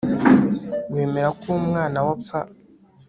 wemera ko umwana we apfa